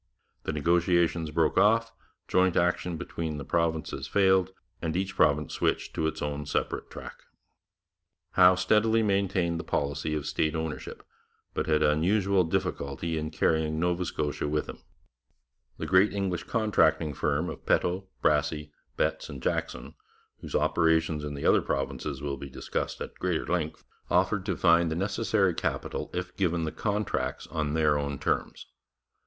The negotiations broke off, joint action between the provinces failed, and each province switched to its own separate track. [Illustration: Sir Francis Hincks. From a portrait in the Dominion Archives] Howe steadily maintained the policy of state ownership, but had unusual difficulty in carrying Nova Scotia with him. The great English contracting firm of Peto, Brassey, Betts and Jackson, whose operations in the other provinces will be discussed at greater length, offered to find the necessary capital if given the contracts on their own terms.